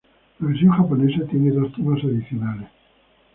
La versión japonesa tiene dos temas adicionales.